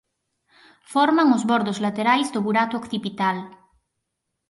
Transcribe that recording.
Forman os bordos laterais do burato occipital.